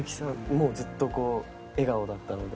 もうずっとこう笑顔だったので。